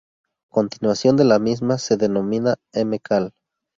Continuación de la misma se denomina Mcal.